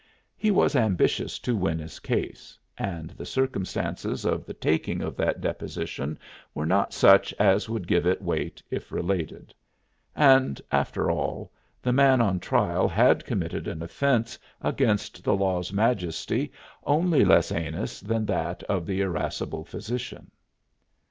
He was ambitious to win his case, and the circumstances of the taking of that deposition were not such as would give it weight if related; and after all, the man on trial had committed an offense against the law's majesty only less heinous than that of the irascible physician.